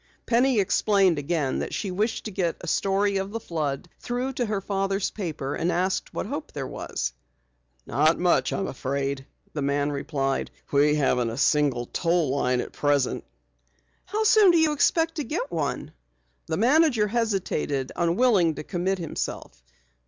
Penny explained again that she wished to get a story of the flood through to her father's paper, and asked what hope there was. "Not much, I'm afraid," the man replied. "We haven't a single toll line at present." "How soon do you expect to get one?" The manager hesitated, unwilling to commit himself.